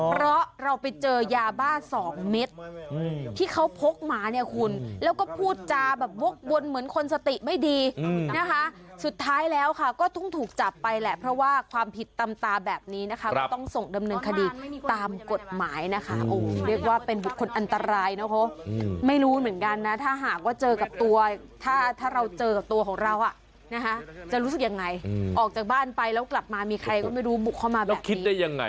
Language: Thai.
เพราะเราไปเจอยาบ้านสองเม็ดที่เขาพกมาเนี่ยคุณแล้วก็พูดจาแบบวกวนเหมือนคนสติไม่ดีนะคะสุดท้ายแล้วค่ะก็ต้องถูกจับไปแหละเพราะว่าความผิดตามตาแบบนี้นะคะก็ต้องส่งดำเนินคดีตามกฎหมายนะคะโอ้โหเรียกว่าเป็นคนอันตรายนะคะไม่รู้เหมือนกันนะถ้าหากว่าเจอกับตัวถ้าถ้าเราเจอกับตัวของเราอ่ะนะคะจะรู้สึกยังไ